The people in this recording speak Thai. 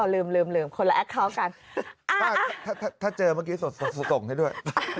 ลืมลืมคนละแอคเคาน์กันถ้าเจอเมื่อกี้สดส่งให้ด้วย